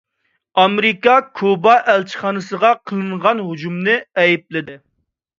ئامېرىكا كۇبا ئەلچىخانىسىغا قىلىنغان ھۇجۇمنى ئەيىبلىدى.